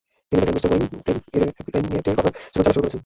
তিনি দেখলেন, mister Boeing plane নিয়ে টেক অফের জন্য চলা শুরু করেছেন।